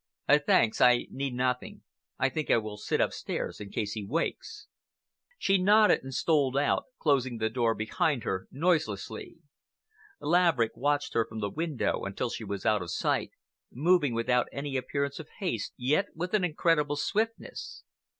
"Thanks, I need nothing. I think I will sit upstairs in case he wakes." She nodded and stole out, closing the door behind her noiselessly. Laverick watched her from the window until she was out of sight, moving without any appearance of haste, yet with an incredible swiftness.